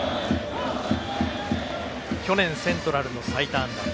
去年セントラルの最多安打。